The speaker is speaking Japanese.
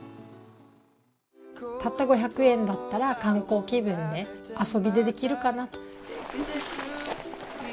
たった５００円だったら観光気分で遊びでできるかな？と。